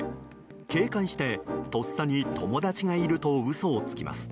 警戒して、とっさに友達がいると嘘をつきます。